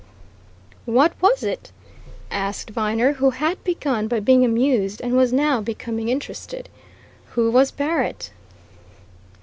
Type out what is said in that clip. "What was it?" asked Viner, who had begun by being amused and was now becoming interested. "Who was Barrett?"